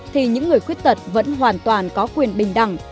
thì những người khuyết tật vẫn hoàn toàn có quyền bình đẳng